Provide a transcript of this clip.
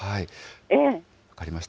分かりました。